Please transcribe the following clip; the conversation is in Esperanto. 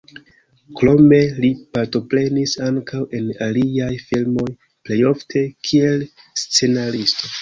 Krome li partoprenis ankaŭ en aliaj filmoj, plej ofte, kiel scenaristo.